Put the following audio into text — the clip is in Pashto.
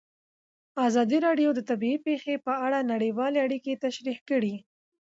ازادي راډیو د طبیعي پېښې په اړه نړیوالې اړیکې تشریح کړي.